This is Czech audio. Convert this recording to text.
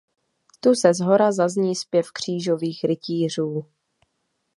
Tu seshora zazní zpěv křížových rytířů.